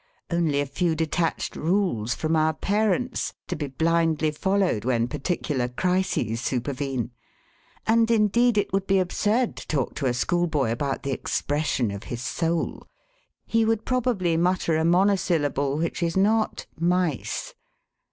Only a few detached rules from our parents, to be blindly followed when particular crises supervene. And, indeed, it would be absurd to talk to a schoolboy about the expression of his soul. He would probably mutter a monosyllable which is not 'mice.'